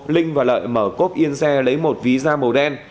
linh và lợi mở cốp yên xe lấy một ví da màu đen